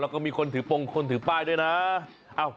แล้วก็มีคนถือปงคนถือป้ายด้วยนะ